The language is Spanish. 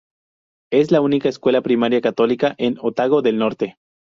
Es la única escuela primaria católica en Otago del Norte.